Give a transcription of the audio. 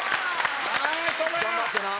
頑張ってな。